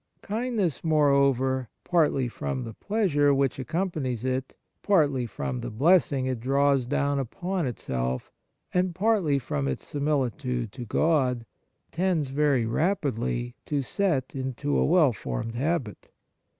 Kindness, more over, partly from the pleasure, which ac companies it, partly from the blessing it draws down upon itself, and partly from its similitude to God, tends very rapidly to set into a well formed habit.